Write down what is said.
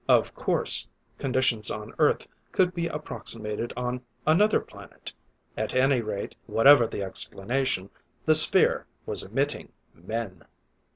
Of course, conditions on Earth could be approximated on another planet. At any rate, whatever the explanation, the sphere was emitting men!